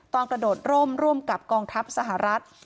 กระโดดร่มร่วมกับกองทัพสหรัฐ